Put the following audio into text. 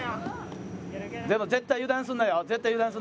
絶対油断すんなよ。